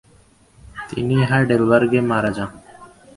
তিনি হাইডেলবার্গে মারা যান।